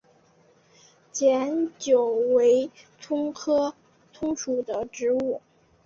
碱韭为葱科葱属的植物。